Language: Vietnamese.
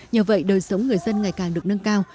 nhờ vậy đời sống người dân ngày càng được nâng cao